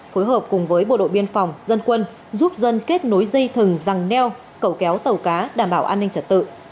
phối hợp cùng với bộ đội biên phòng dân quân giúp dân kết nối dây thừng răng neo cẩu kéo tàu cá đảm bảo an ninh trật tự